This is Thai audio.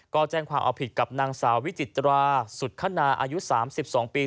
ก็แจ้งความเอาผิดกับนางสาววิจิตราสุดคณาอายุ๓๒ปี